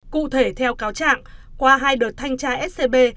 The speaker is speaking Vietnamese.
cụ thể theo cáo trạng qua hai đợt thanh tra scb